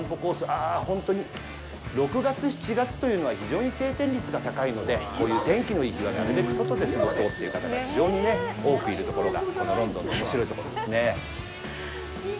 あー、本当に６月、７月というのは非常に晴天率が高いので、こういう天気のいい日は、なるべく外で過ごそうという方が非常に多くいるところが、このロンドンのおもしろいところですね。